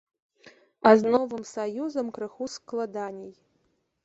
А з новым саюзам крыху складаней.